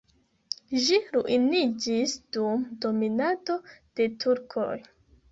Ĝi ruiniĝis dum dominado de turkoj.